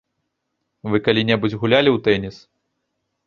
Вы калі-небудзь гулялі ў тэніс?